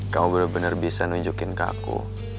kamu benar benar bisa nunjukin ke aku